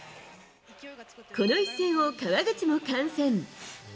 この一戦を川口も観戦。